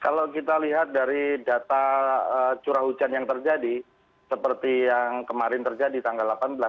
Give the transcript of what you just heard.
kalau kita lihat dari data curah hujan yang terjadi seperti yang kemarin terjadi tanggal delapan belas